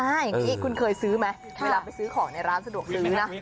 อย่างนี้คุณเคยซื้อไหมเวลาไปซื้อของในร้านสะดวกซื้อนะ